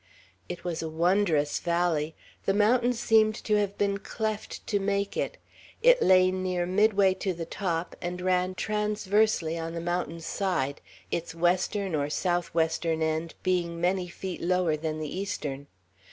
It was a wondrous valley. The mountain seemed to have been cleft to make it. It lay near midway to the top, and ran transversely on the mountain's side, its western or southwestern end being many feet lower than the eastern.